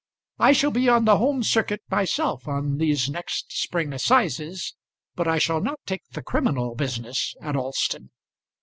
I shall be on the Home Circuit myself on these next spring assizes, but I shall not take the criminal business at Alston.